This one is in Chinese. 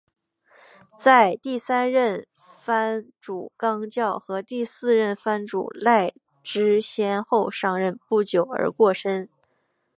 在第三任藩主纲教和第四任藩主赖织先后上任不久而过身。